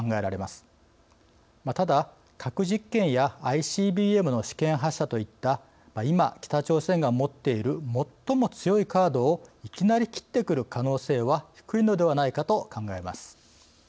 ただ核実験やＩＣＢＭの試験発射といった今北朝鮮が持っている最も強いカードをいきなり切ってくる可能性は低いのではないかと考えます。